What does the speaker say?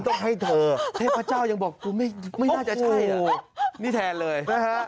ว่างวายมากว่างวายมากพระเจ้ายังบอกไม่น่าจะใช่นี่แทนเลย